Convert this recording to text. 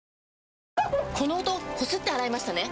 この音こすって洗いましたね？